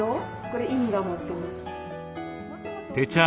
これ意味は持ってます。